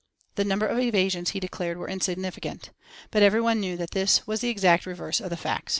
The number of evasions, he declared, was insignificant. But every one knew that this was the exact reverse of the facts.